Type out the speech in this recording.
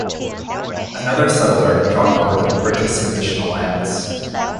Another settler, John Horton, purchased some additional lands.